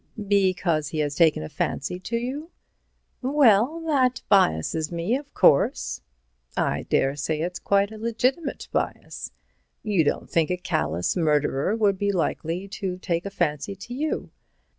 "Because he has taken a fancy to you?" "Well, that biases me, of course—" "I daresay it's quite a legitimate bias. You don't think a callous murderer would be likely to take a fancy to you?"